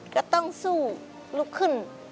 ก็ต้องสู้ลุกขึ้น